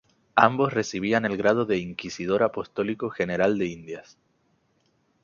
Ambos recibían el grado de "inquisidor apostólico general de Indias".